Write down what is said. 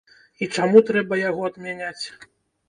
І чаму трэба яго адмяняць?